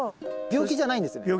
病気じゃないです。